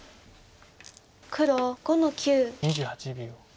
黒５の九。